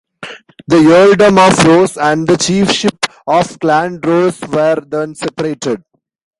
The earldom of Ross and the chiefship of Clan Ross were then separated.